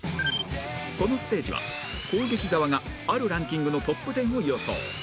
このステージは攻撃側があるランキングのトップ１０を予想